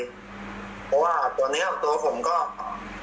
เพราะว่าตอนนี้ตัวผมก็เหมือนจะโดนในด้านลบอยู่บ้างเหมือนกัน